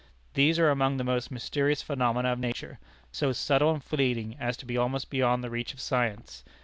These are among the most mysterious phenomena of nature so subtle and fleeting as to be almost beyond the reach of science.